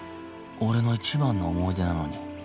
俺の一番の思い出なのに？